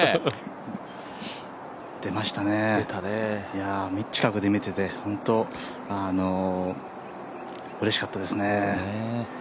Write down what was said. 出ましたね、近くで見てて本当うれしかったですね。